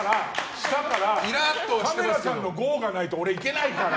カメラさんのゴーがないと俺、いけないから。